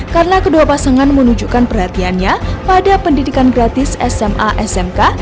karena kedua pasangan menunjukkan perhatiannya pada pendidikan gratis sma smk